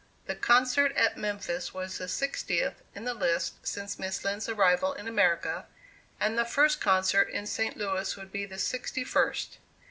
The concert at Memphis was the sixtieth in the list since Miss Lind's arrival in America, and the first concert in St. Louis would be the sixty first.